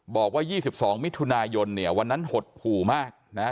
บอกว่า๒๒มิถุนายนเนี่ยวันนั้นหดหู่มากนะฮะ